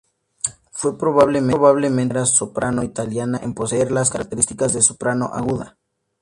Fue probablemente la primera soprano italiana en poseer las características de soprano aguda.